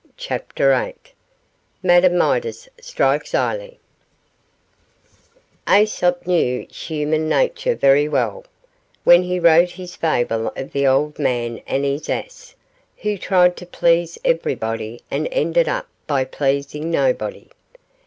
CHAPTER VIII MADAME MIDAS STRIKES 'ILE' Aesop knew human nature very well when he wrote his fable of the old man and his ass, who tried to please everybody and ended up by pleasing nobody.